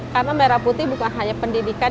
karena merah putih bukan hanya pendidikan